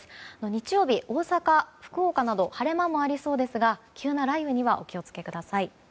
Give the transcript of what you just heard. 日曜日は大阪、福岡など晴れ間もありそうですが急な雷雨にはお気を付けください。